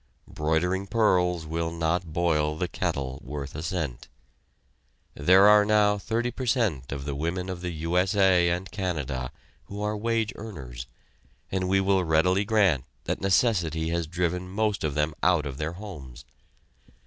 Broidering pearls will not boil the kettle worth a cent! There are now thirty per cent of the women of the U. S. A. and Canada, who are wage earners, and we will readily grant that necessity has driven most of them out of their homes.